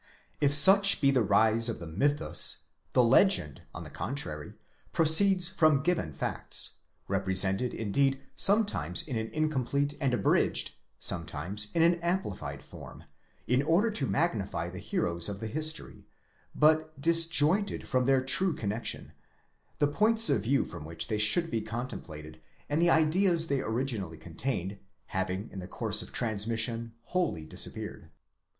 If such be the rise of the mythus, the legend, on the contrary, proceeds from given facts: represented, indeed, sometimes in an incomplete and abridged, sometimes in an amplified form, in order to magnify the heroes of the history—but disjoined from their true connexion; the points of view from which they should be contemplated, and the ideas they originally contained, having in the course of transmission wholly disappeared.